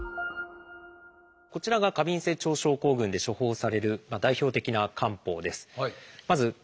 こちらが過敏性腸症候群で処方される代表的な漢方です。